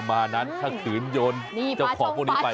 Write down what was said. มานั้นถ้าขืนโยนเจ้าของพวกนี้ไป